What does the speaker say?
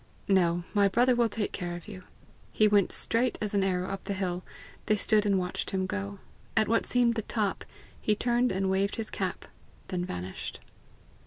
"No. My brother will take care of you." He went straight as an arrow up the hill. They stood and watched him go. At what seemed the top, he turned and waved his cap, then vanished.